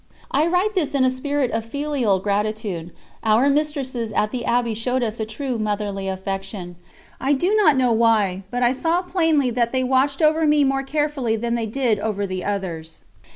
I write this in a spirit of filial gratitude; our mistresses at the Abbey showed us a true motherly affection. I do not know why, but I saw plainly that they watched over me more carefully than they did over the others.